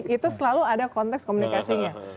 itu selalu ada konteks komunikasinya